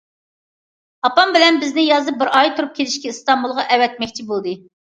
ئاپام بىلەن بىزنى يازدا بىر ئاي تۇرۇپ كېلىشكە ئىستانبۇلغا ئەۋەتمەكچى بولدى.